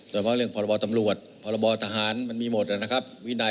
สำหรับเรื่องพรบตำรวจพรบทหารมันมีหมดนะครับ